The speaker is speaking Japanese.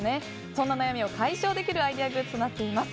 そんな悩みを解消できるアイデアグッズになっています。